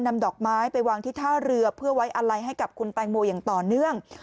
นำดอกไม้ไปวางที่ท่าเรือเพื่อไว้อะไรให้กับคุณแตงโมอย่างต่อเนื่อง